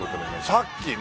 さっきね